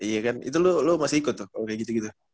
iya kan itu lu masih ikut tuh kayak gitu gitu